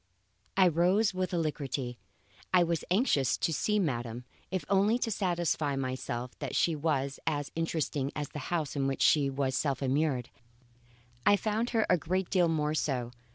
I rose with alacrity. I was anxious to see madam, if only to satisfy myself that she was as interesting as the house in which she was self immured. I found her a great deal more so.